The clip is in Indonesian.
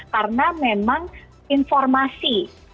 karena memang informasi